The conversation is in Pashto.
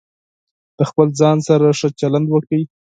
د خپل ځان سره ښه چلند وکړئ.